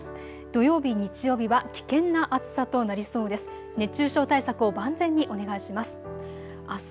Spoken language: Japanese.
土曜日、日曜日は危険な暑さとなりそうです。